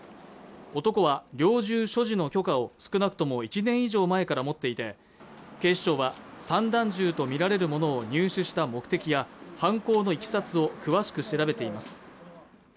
男は猟銃所持の許可を少なくとも１年以上前から持っていて警視庁は散弾銃と見られるものを入手した目的や犯行の経緯を詳しく調べています